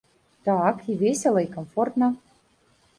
Так, і весела, і камфортна.